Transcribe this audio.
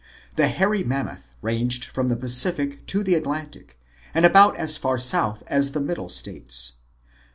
The Hairy Mammoth ranged from the Pacific to the Atlantic and about as far south as the Middle States.